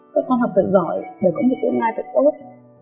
con học rất giỏi để có một tương lai tốt